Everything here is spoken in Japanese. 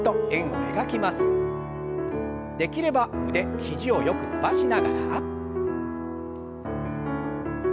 できれば腕肘をよく伸ばしながら。